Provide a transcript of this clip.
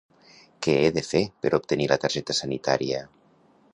Què he de fer per obtenir la targeta sanitària?